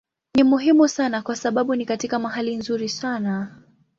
Ni muhimu sana kwa sababu ni katika mahali nzuri sana.